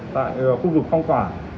tại khu vực phong quả